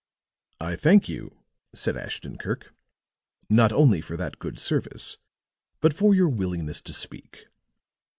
"I thank you," said Ashton Kirk, "not only for that good service, but for your willingness to speak."